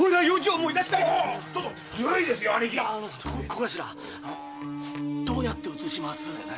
小頭どうやって移します？